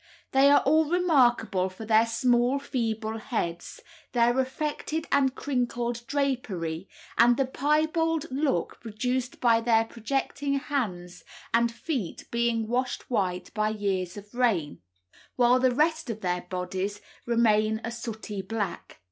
They are all remarkable for their small feeble heads, their affected and crinkled drapery, and the piebald look produced by their projecting hands and feet being washed white by years of rain, while the rest of their bodies remains a sooty black.